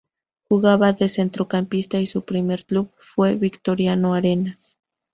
Jugaba de centrocampista y su primer club fue Victoriano Arenas.